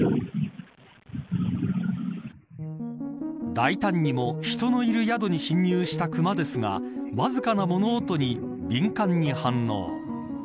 大胆にも、人のいる宿に侵入したクマですがわずかな物音に敏感に反応。